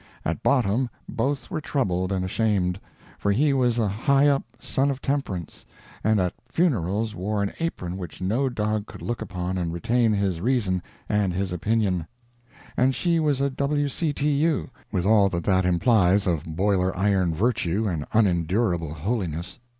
At bottom both were troubled and ashamed, for he was a high up Son of Temperance, and at funerals wore an apron which no dog could look upon and retain his reason and his opinion; and she was a W. C. T. U., with all that that implies of boiler iron virtue and unendurable holiness.